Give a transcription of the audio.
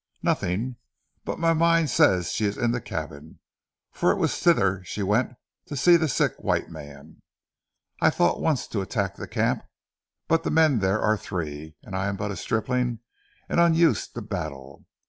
"Nothing, but my mind says she is in the cabin, for it was thither she went to see the sick white man. I thought once to attack the camp, but the men there are three, and I am but a stripling and unused to battle.